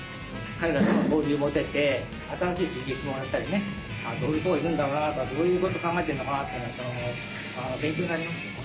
彼らと交流持てて新しい刺激もらったりねどういうとこいくんだろうなとかどういうこと考えてんのかなっていうのは勉強になりますよね。